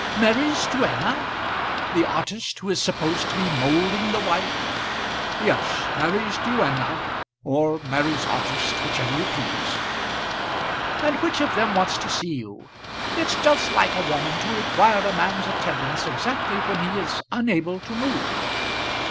"Mary's duenna; the artist who is supposed to be moulding the wife." "Yes; Mary's duenna, or Mary's artist, whichever you please." "And which of them wants to see you? It's just like a woman, to require a man's attendance exactly when he is unable to move."